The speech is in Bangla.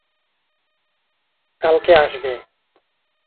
কলেরা হইয়া চারি দিনের ব্যবধানে আমার ছেলে ও স্বামী মারা গেলেন।